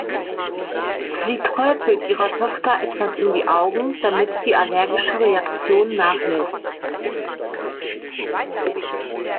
Sie träufelt ihrer Tochter etwas in die Augen, damit die allergische Reaktion nachlässt.